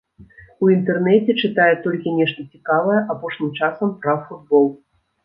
У інтэрнэце чытае толькі нешта цікавае, апошнім часам пра футбол.